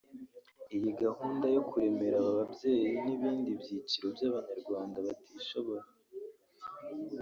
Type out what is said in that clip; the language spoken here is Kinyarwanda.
Iyi gahunda yo kuremera aba babyeyi n’ibindi byiciro by’Abanyarwanda batishoboye